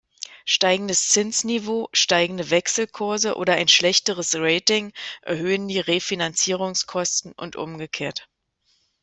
Steigendes Zinsniveau, steigende Wechselkurse oder ein schlechteres Rating erhöhen die Refinanzierungskosten und umgekehrt.